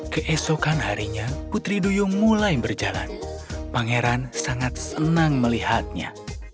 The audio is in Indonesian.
keesokan harinya putri duyung mulai berjalan pangeran sangat senang melihatnya